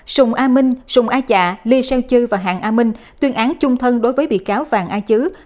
sùng a minh sùng a trạ ly seo chư và hạng a minh tuyên án chung thân đối với bị cáo vàng a chứ